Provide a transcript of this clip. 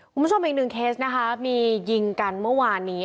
คุณผู้ชมอีกหนึ่งเคสนะคะมียิงกันเมื่อวานนี้